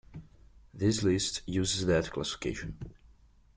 This list uses that classification.